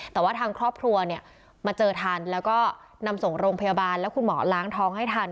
แต่ว่าทางครอบครัวเนี่ยมาเจอทันแล้วก็นำส่งโรงพยาบาลแล้วคุณหมอล้างท้องให้ทัน